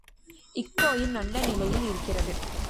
இக்கோயில் நல்ல நிலையில் இருக்கிறது.